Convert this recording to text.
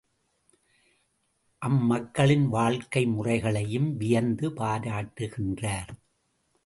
அம்மக்களின் வாழ்க்கை முறைகளையும் வியந்து பாராட்டுகின்றார்.